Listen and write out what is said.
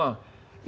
itu masih menang